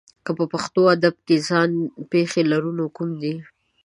که په پښتو ادب کې ځان پېښې لرو نو کوم دي؟